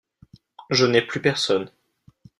Je n’ai plus personne.